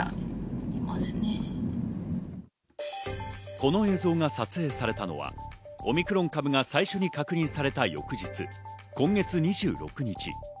この映像が撮影されたのはオミクロン株が最初に確認された翌日、今月２６日。